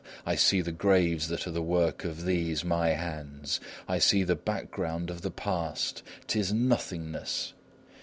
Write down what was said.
I see the graves that are the work of these, my hands; I see the background of the past 'tis nothingness!